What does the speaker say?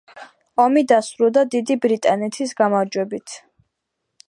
ომი დასრულდა დიდი ბრიტანეთის გამარჯვებით.